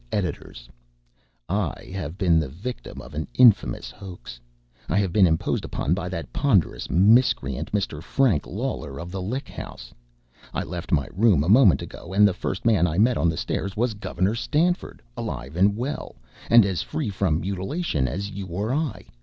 Editors, I have been the victim of an infamous hoax. I have been imposed upon by that ponderous miscreant, Mr. Frank Lawler, of the Lick House. I left my room a moment ago, and the first man I met on the stairs was Gov. Stanford, alive and well, and as free from mutilation as you or I.